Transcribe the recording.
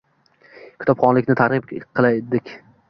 Kitobxonlikni keng targ‘ib qildik.